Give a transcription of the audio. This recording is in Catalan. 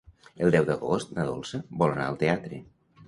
El deu d'agost na Dolça vol anar al teatre.